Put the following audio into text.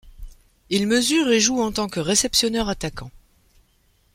Il mesure et joue en tant que réceptioneur-attaquant.